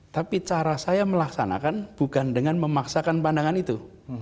tapi cara saya melaksanakan bukan dengan memaksakan pandangan itu